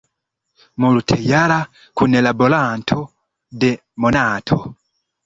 Multjara kunlaboranto de "Monato".